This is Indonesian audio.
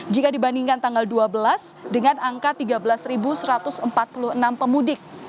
jika dibandingkan tanggal dua belas dengan angka tiga belas satu ratus empat puluh enam pemudik